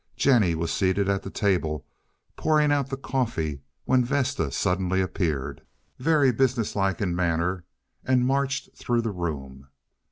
Jennie was seated at the table, pouring out the coffee, when Vesta suddenly appeared, very business like in manner, and marched through the room.